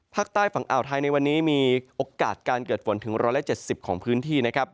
ภาคใต้ฝั่งอ่าวไทยในวันนี้มีโอกาสการเกิดฝนถึง๑๗๐ของพื้นที่นะครับ